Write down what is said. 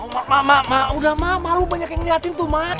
mas mak mak udah mak malu banyak yang ngeliatin tuh mak